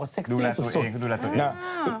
เซ็กซี่สุด